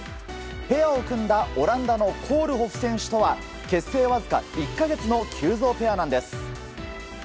ペアを組んだオランダのコールホフ選手とは結成わずか１か月の急造ペアなんです。